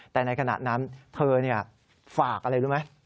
แต่ในขณะนั้นเธอฝากอะไรรู้ไหม